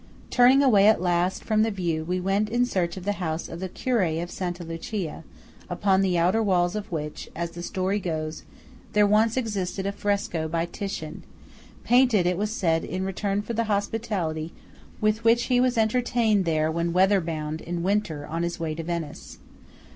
Turning away at last from the view, we went in search of the house of the Curé of Santa Lucia, upon the outer walls of which, as the story goes, there once existed a fresco by Titian–painted, it was said, in return for the hospitality with which he was entertained there when weatherbound in winter on his way to Venice.